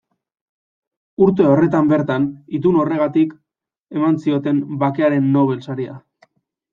Urte horretan bertan, itun horregatik eman zioten Bakearen Nobel Saria.